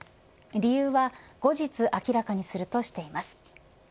理由は後日明らかにするとしています。